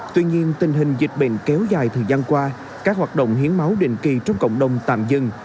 tuy nhiên tình hình dịch bệnh kéo dài thời gian qua các hoạt động hiến máu định kỳ trước cộng đồng tạm dừng